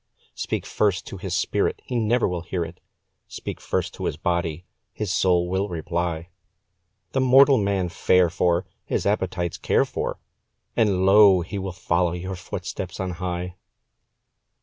Speak first to his spirit, he never will hear it; Speak first to his body, his soul will reply; The mortal man fare for, his appetites care for, And lo! he will follow your footsteps on high.